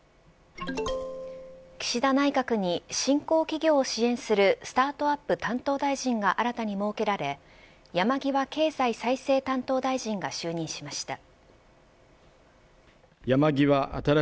岸田内閣に新興企業を支援するスタートアップ担当大臣が新たに設けられ山際経済再生担当大臣が就任しました。